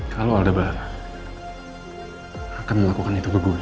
kalau aldebaran akan melakukan itu ke saya